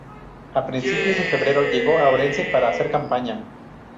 A principios de febrero llegó a Orense para hacer campaña.